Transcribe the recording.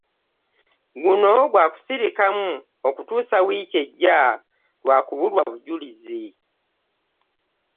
Guno gwa kusirikamu okutuusa wiiki ejja lwa kubulwa bujulizi